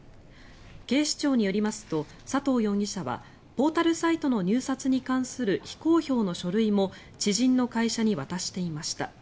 警視庁によりますと佐藤容疑者はポータルサイトの入札に関する非公表の書類も知人の会社に渡していました。